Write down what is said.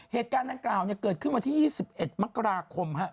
เหตุการณ์ดังกล่าวเกิดขึ้นวันที่๒๑มกราคม